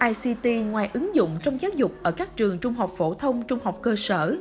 ict ngoài ứng dụng trong giáo dục ở các trường trung học phổ thông trung học cơ sở